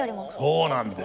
そうなんです。